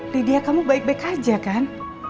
lidia kamu baik baik aja kan